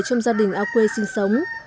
trong gia đình ao quê sinh sống